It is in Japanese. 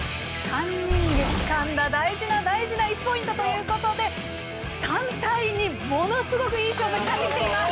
３人でつかんだ大事な大事な１ポイントということで３対２ものすごくいい勝負になってきています！